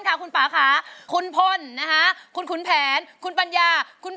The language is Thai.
ร้องได้ให้ร้าน